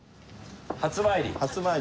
初参り？